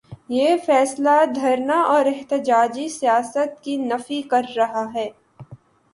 یہ فیصلہ دھرنا اور احتجاجی سیاست کی نفی کر رہا ہے۔